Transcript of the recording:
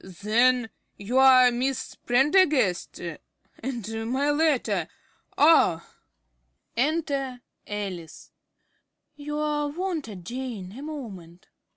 Then you are Miss Prendergast? And my letter Ah! Enter Alice. ~Alice.~ You are wanted, Jane, a moment.